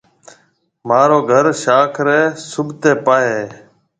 مهارو گهر شاخ ريَ سوڀتي پاهيََ هيَ۔